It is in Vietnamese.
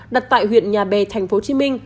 đặt tại huyện nhà bè tp hcm